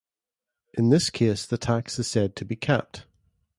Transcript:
In this case the tax is said to be capped.